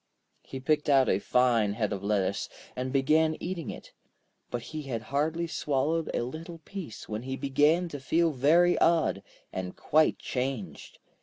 He picked out a fine head of lettuce, and began eating it. But he had hardly swallowed a little piece, when he began to feel very odd, and quite changed.